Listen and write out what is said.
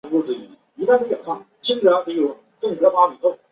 库尔德斯坦自由生活党是伊朗库尔德斯坦的一个非法的左翼政党。